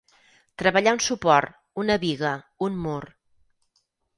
Treballar un suport, una biga, un mur.